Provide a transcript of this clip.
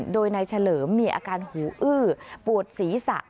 โดยนายเฉลิมมีอาการหูอื้อปวดศีรษะ